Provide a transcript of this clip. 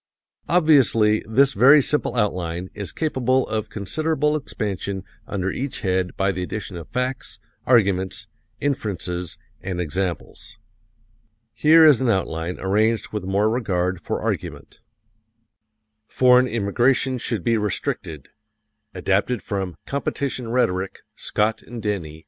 Obviously, this very simple outline is capable of considerable expansion under each head by the addition of facts, arguments, inferences and examples. Here is an outline arranged with more regard for argument: FOREIGN IMMIGRATION SHOULD BE RESTRICTED I.